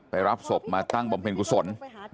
รับศพมาตั้งบำเพ็ญกุศล